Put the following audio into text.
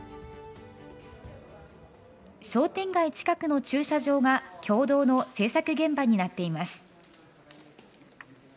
商店街近くの駐車場が共同の制作現場になっています。